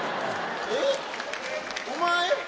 えっお前？